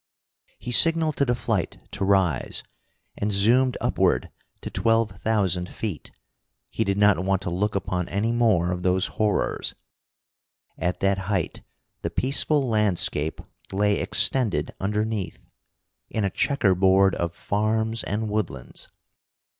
He signaled to the flight to rise, and zoomed upward to twelve thousand feet. He did not want to look upon any more of those horrors. At that height, the peaceful landscape lay extended underneath, in a checker board of farms and woodlands.